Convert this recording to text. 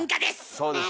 そうですね。